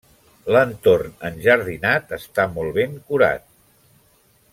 L'entorn enjardinat està molt ben curat.